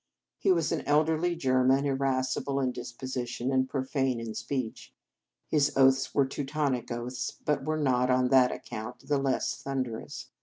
He was an elderly German, irascible in disposition, and profane in speech. His oaths were Teutonic oaths, but were not, on that account, the less thunderous.